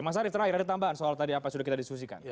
mas arief terakhir ada tambahan soal tadi apa sudah kita diskusikan